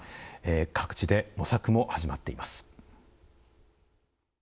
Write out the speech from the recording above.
各地で模索も始まっています。